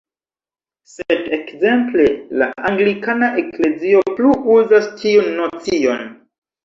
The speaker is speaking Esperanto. Sed ekzemple la anglikana eklezio plu uzas tiun nocion.